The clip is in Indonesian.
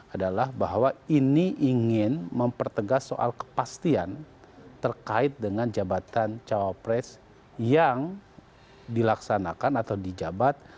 adalah bahwa ini ingin mempertegas soal kepastian terkait dengan jabatan cawapres yang dilaksanakan atau dijabat